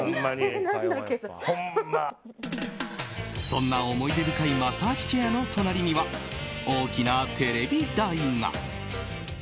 そんな思い出深いマッサージチェアの隣には大きなテレビ台が。